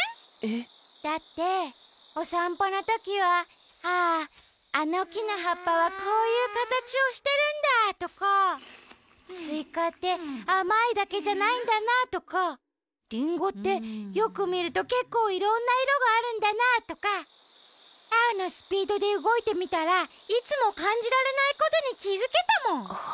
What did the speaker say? えっ？だっておさんぽのときは「あああのきのはっぱはこういうかたちをしてるんだ」とか「スイカってあまいだけじゃないんだな」とか「リンゴってよくみるとけっこういろんないろがあるんだな」とかアオのスピードでうごいてみたらいつもかんじられないことにきづけたもん。